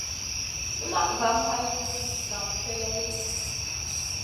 Numaʼ zam hay liyn naam slèh ɗi.